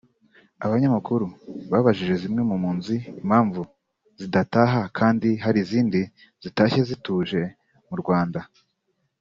Abanyamakuru babajije zimwe mu mpunzi impamvu zidataha kandi hari izindi zitashye zituje mu Rwanda